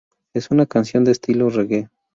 Es una canción de estilo reggae.